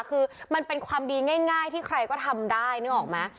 คือมันเป็นความดีง่ายที่ใครก็ทำได้นึกออกไหม